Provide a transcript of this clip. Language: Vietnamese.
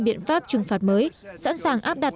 biện pháp trừng phạt mới sẵn sàng áp đặt